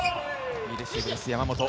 いいレシーブです、山本。